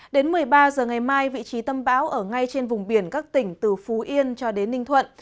đến một mươi ba h ngày mai vị trí tâm bão ở ngay trên vùng biển các tỉnh từ phú yên cho đến ninh thuận